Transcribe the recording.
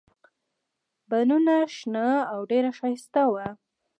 بڼونه شنه او ډېر ښایسته وو.